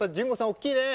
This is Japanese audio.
おっきいね。